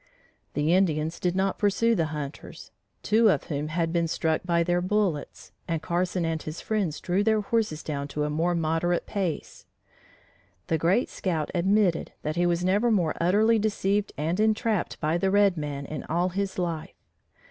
The Indians did not pursue the hunters, two of whom had been struck by their bullets, and Carson and his friends drew their horses down to a more moderate pace. The great scout admitted that he was never more utterly deceived and entrapped by the red man in all his life.